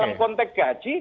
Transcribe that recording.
jadi dalam konteks gaji